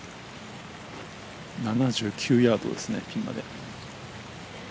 ７９ヤードですねピンまで。